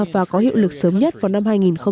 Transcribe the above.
và có hiệu lực sớm nhất vào năm hai nghìn hai mươi